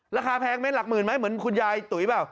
แพงเม็ดหลักหมื่นไหมเหมือนคุณยายตุ๋ยเปล่า